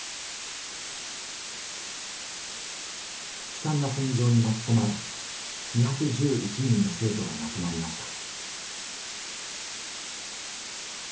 悲惨な戦場に巻き込まれ２１１人の生徒が亡くなりました。